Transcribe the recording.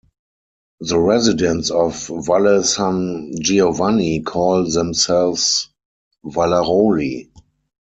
The residents of Valle San Giovanni call themselves "Vallaroli".